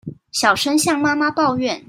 小聲向媽媽抱怨